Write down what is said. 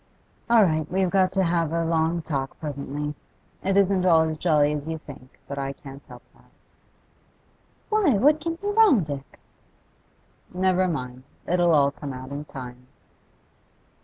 'All right, we've got to have a long talk presently. It isn't all as jolly as you think, but I can't help that.' 'Why, what can be wrong, Dick?' 'Never mind; it'll all come out in time.